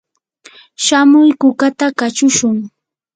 shamuy kukata kachushun.